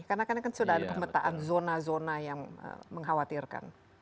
karena kan sudah ada pemetaan zona zona yang mengkhawatirkan